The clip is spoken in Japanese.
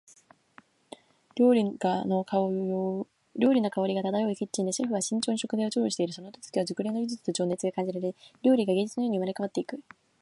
料理の香りが漂うキッチンで、シェフは慎重に食材を調理している。その手つきには熟練の技術と情熱が感じられ、料理が芸術のように生まれ変わっていく。